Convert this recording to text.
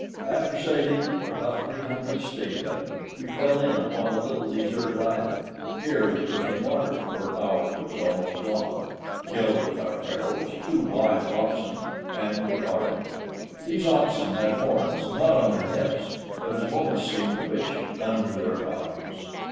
After sailing about three hundred stadia, we fell in upon a little deserted island: here we took in water, for ours was almost gone, killed with our arrows two wild oxen, and departed. These oxen had horns, not on their heads, but, as Momus seemed to wish, under their eyes.